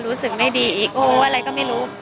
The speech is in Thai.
รู้สึกไม่ดีอีกโอ้อะไรก็ไม่รู้